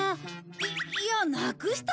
いいやなくしたなんて。